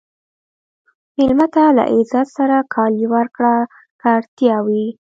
مېلمه ته له عزت سره کالي ورکړه که اړتیا وي.